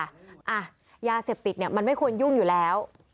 อ่ะยาเสพติดเนี่ยมันไม่ควรยุ่งอยู่แล้ว